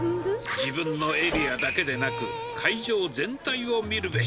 自分のエリアだけでなく、会場全体を見るべし。